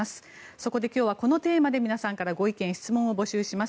そこで今日はこのテーマで皆さんからご意見・質問を募集します。